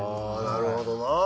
なるほどな。